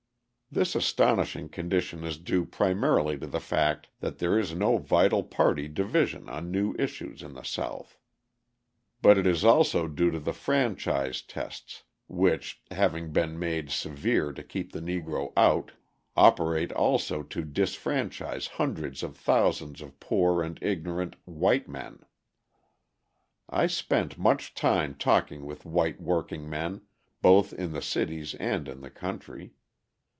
This astonishing condition is due primarily to the fact that there is no vital party division on new issues in the South; but it is also due to the franchise tests, which, having been made severe to keep the Negro out, operate also to disfranchise hundreds of thousands of poor and ignorant white men. I spent much time talking with white workingmen, both in the cities and in the country.